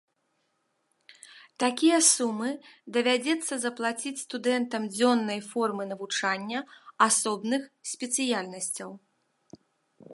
Такія сумы давядзецца заплаціць студэнтам дзённай формы навучання асобных спецыяльнасцяў.